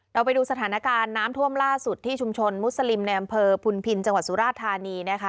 ไปดูสถานการณ์น้ำท่วมล่าสุดที่ชุมชนมุสลิมในอำเภอพุนพินจังหวัดสุราธานีนะคะ